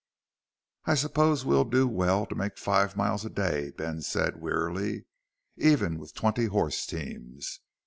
"I suppose we'll do well to make five miles a day," Ben said wearily. "Even with twenty horse teams....